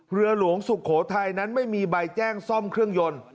เรือหลวงสุโขทัยนั้นไม่มีใบแจ้งซ่อมเครื่องยนต์